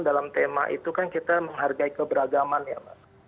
dalam tema itu kan kita menghargai keberagaman ya mbak